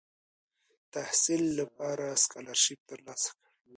تحصیل لپاره سکالرشیپ تر لاسه کړ.